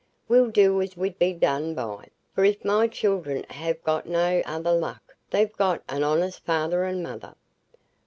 We'll do as we'd be done by; for if my children have got no other luck, they've got an honest father and mother."